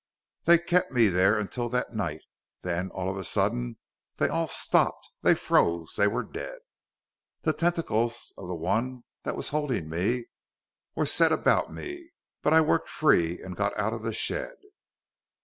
"They kept me there until that night. Then, all of a sudden, they all stopped! They froze! They were dead! "The tentacles of the one that was holding me were set about me. But I worked free, and got out of the shed.